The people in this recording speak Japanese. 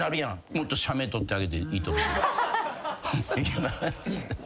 もっと写メ撮ってあげていいと思う。いきます。